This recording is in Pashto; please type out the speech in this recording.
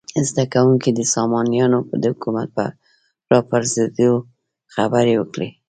زده کوونکي دې د سامانیانو د حکومت په راپرزېدو خبرې وکړي.